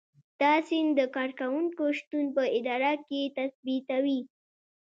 دا سند د کارکوونکي شتون په اداره کې تثبیتوي.